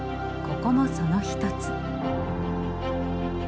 ここもその一つ。